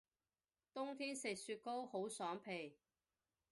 冬天食雪糕好爽皮